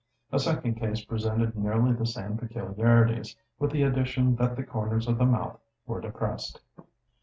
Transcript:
A second case presented nearly the same peculiarities, with the addition that the comers of the mouth were depressed.